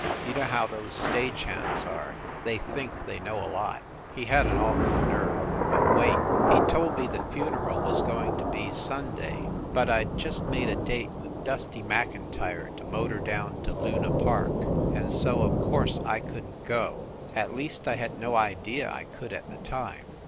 You know how them stage hands are, they think they know a lot. He had an awful nerve. But wait. He told me the funeral was going to be Sunday, but I d just made a date with Dusty Mclntyre to motor down to Luna Park, and so of course I couldn t go. At least I had no idea I could, at the time.